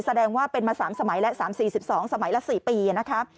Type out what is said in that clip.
แสดงว่าเป็นมา๓สมัยและ๓๔๑๒สมัยละ๔ปีนะคะ